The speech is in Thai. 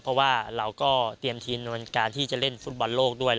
เพราะว่าเราก็เตรียมทีมในการที่จะเล่นฟุตบอลโลกด้วย